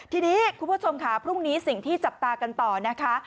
ทีนี้คุณผู้ชมค่ะพรุ่งนี้สิ่งที่จับตากันต่อนะคะ